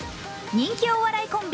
人気お笑いコンビ